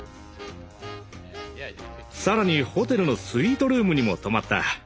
更にホテルのスイートルームにも泊まった。